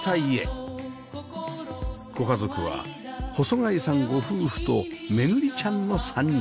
ご家族は細貝さんご夫婦と巡ちゃんの３人